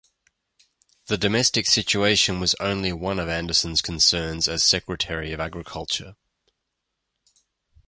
The domestic situation was only one of Anderson's concerns as Secretary of Agriculture.